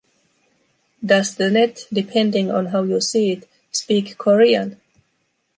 Does the Net, depending on how you see it, speak Korean?